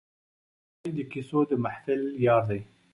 چای د کیسو د محفل یار دی